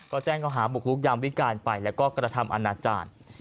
ก็แจ้งเขาหาบุกลุกยามวิการไปแล้วก็กระทำอนาจารย์